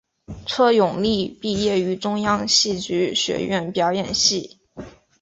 车永莉毕业于中央戏剧学院表演系。